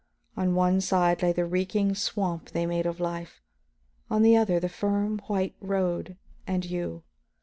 On one side lay the reeking swamp they made of life, on the other the firm white road and you.